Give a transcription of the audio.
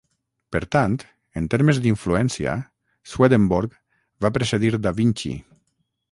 Per tant, en termes d'influència, Swedenborg va precedir da Vinci.